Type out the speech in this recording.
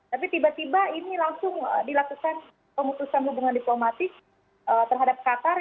tapi tiba tiba ini langsung dilakukan pemutusan hubungan diplomatik terhadap qatar